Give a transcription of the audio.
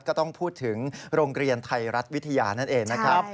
ก็ต้องพูดถึงโรงเรียนไทยรัฐวิทยานั่นเองนะครับ